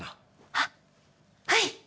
はっはい。